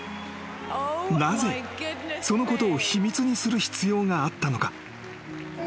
［なぜそのことを秘密にする必要があったのか？］